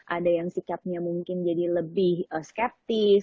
ada yang sikapnya mungkin jadi lebih skeptis